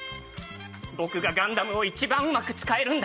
僕がガンダムを一番うまく使えるんだ。